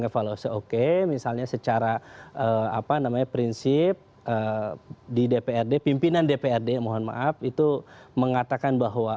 kalau se oke misalnya secara prinsip di dprd pimpinan dprd mohon maaf itu mengatakan bahwa